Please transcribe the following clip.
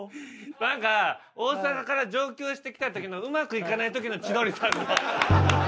なんか大阪から上京してきた時のうまくいかない時の千鳥さんの。